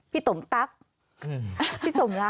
พี่ตมตั๊กพี่สมรัก